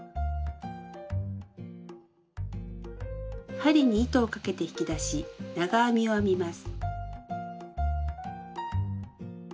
針に糸をかけて引き出し長編みを編みます。